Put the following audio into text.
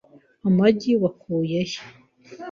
Amagi wakuye he?